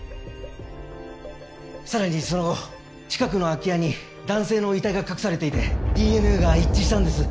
さらにその後近くの空き家に男性の遺体が隠されていてＤＮＡが一致したんです。